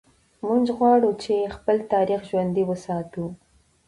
موږ غواړو چې خپل تاریخ ژوندی وساتو.